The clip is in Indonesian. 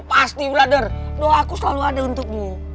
kamar nih mereka mana sih